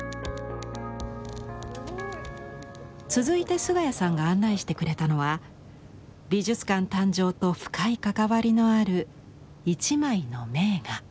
続いて菅谷さんが案内してくれたのは美術館誕生と深い関わりのある一枚の名画。